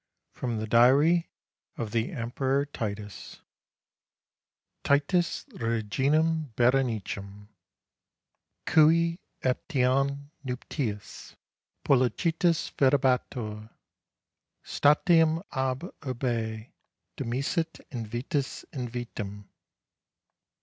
IX FROM THE DIARY OF THE EMPEROR TITUS Titus reginam Berenicem ... cui etiam nuptias pollicitus ferebatur ... statim ab urbe demisit invitus invitam.